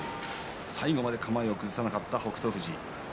最後まで構えを崩さなかった北勝富士。